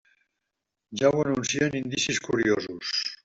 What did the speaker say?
Ja ho anuncien indicis curiosos.